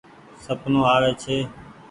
سپنو آوي ڇي۔